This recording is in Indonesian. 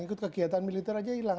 ikut kegiatan militer aja hilang